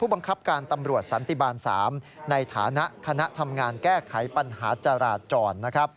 บังคับการตำรวจสันติบาล๓ในฐานะคณะทำงานแก้ไขปัญหาจราจร